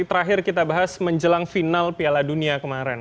terakhir kita bahas menjelang final piala dunia kemarin